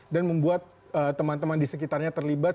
dan membuat teman teman di sekitarnya terlibat